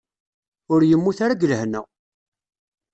Ur yemmut ara deg lehna.